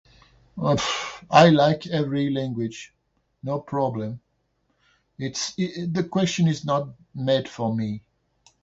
I like every language. No problem. It's i- the question is not made for me.